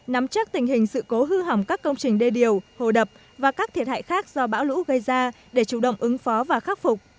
nắm chắc tình hình sự cố hư hỏng các công trình đê điều hồ đập và các thiệt hại khác do bão lũ gây ra để chủ động ứng phó và khắc phục